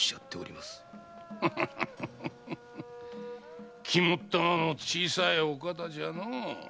フフフ肝っ玉の小さいお方じゃのう。